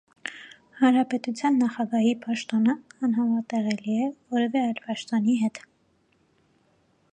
Հանրապետության նախագահի պաշտոնը անհամատեղելի է որևէ այլ պաշտոնի հետ։